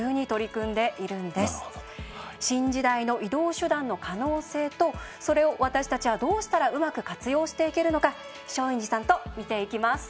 新時代の移動手段の可能性とそれを私たちはどうしたらうまく活用していけるのか松陰寺さんと見ていきます。